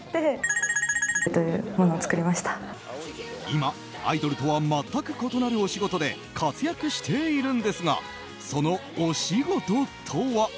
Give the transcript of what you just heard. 今、アイドルとは全く異なるお仕事で活躍しているんですがそのお仕事とは？